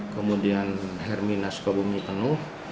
kemudian hermina sukabumi penuh